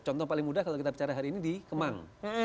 contoh paling mudah kalau kita bicara hari ini di kemang